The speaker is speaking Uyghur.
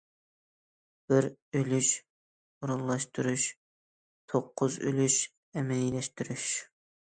بىر ئۈلۈش ئورۇنلاشتۇرۇش، توققۇز ئۆلۈش ئەمەلىيلەشتۈرۈش.